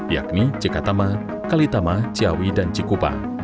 yakni cikatama kalitama ciawi dan cikupa